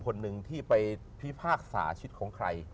คนหนึ่งที่ไปพิพากษาชีวิตของใคร